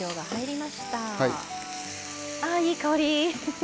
いい香り！